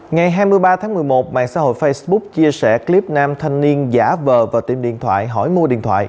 ngày hai mươi ba tháng một mươi một mạng xã hội facebook chia sẻ clip nam thanh niên giả vờ vào tiệm điện thoại hỏi mua điện thoại